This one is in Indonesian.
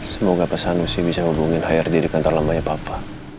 semoga pesan hoshi bisa hubungin hrd di kantor lamanya papa